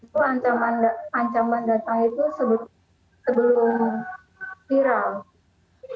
itu ancaman datang itu sebelum viral